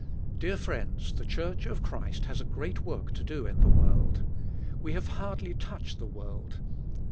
Dear friends, the church of Christ has a g reat work to do in the world. We have hardly touched the world.